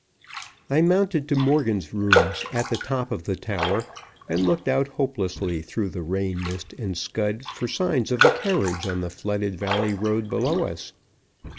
I mounted to Morgan's rooms at the top of the tower, and looked out hopelessly through rain mist and scud for signs of a carriage on the flooded valley road below us.